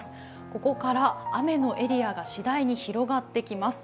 ここから雨のエリアがしだいに広がってきます。